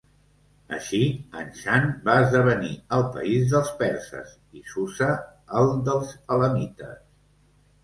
Així Anshan va esdevenir el país dels perses i Susa el dels elamites.